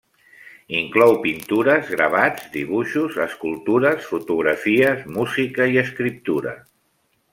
Inclou pintures, gravats, dibuixos, escultures, fotografies, música i escriptura.